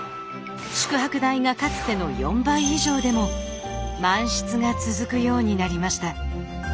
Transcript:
宿泊代がかつての４倍以上でも満室が続くようになりました。